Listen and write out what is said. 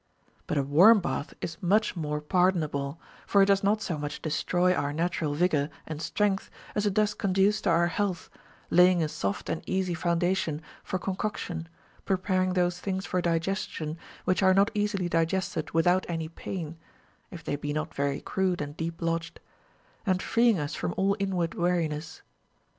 But a Avarm bath is much more pardon able, for it does not so much destroy our natural \igoY and strength as it does conduce to our health, laying a soft and easy foundation for concoction, preparing those things for digestion which are not easily digested without any pain (if they be not very crude and deep lodged), and freeing us from all inward weariness.